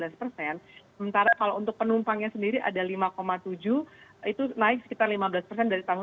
sementara kalau untuk penumpangnya sendiri ada lima tujuh itu naik sekitar lima belas persen dari tahun dua ribu